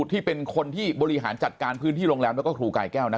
ที่เป็นคนที่บริหารจัดการพื้นที่โรงแรมแล้วก็ครูกายแก้วนะ